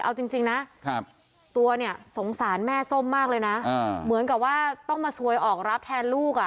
เอาจริงนะตัวเนี่ยสงสารแม่ส้มมากเลยนะเหมือนกับว่าต้องมาซวยออกรับแทนลูกอ่ะ